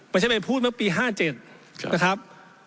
ไม่ใช่ไปพูดเมื่อปี๕๗นะครับ